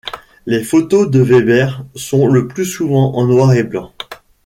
Les photos de Weber sont le plus souvent en noir et blanc.